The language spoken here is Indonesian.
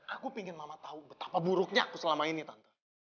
aku ingin mama tahu betapa buruknya aku selama ini tante